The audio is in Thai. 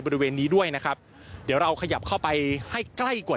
บริเวณนี้ด้วยนะครับเดี๋ยวเราขยับเข้าไปให้ใกล้กว่า